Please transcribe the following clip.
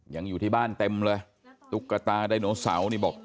อยู่ที่บ้านเต็มเลยตุ๊กตาไดโนเสาร์นี่บอก